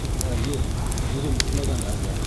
Ә юҡ, һүҙем бөтмәгән әле.